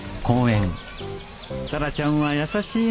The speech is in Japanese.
タラちゃんは優しいな